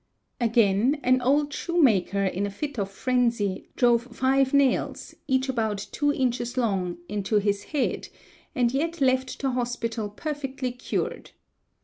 Again an old shoemaker in a fit of frenzy drove five nails each about — two inches long into his head, and yet left the hospital perfectly cured.